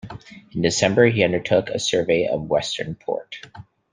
In December he undertook a survey of Western Port.